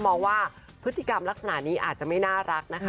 มองว่าพฤติกรรมลักษณะนี้อาจจะไม่น่ารักนะคะ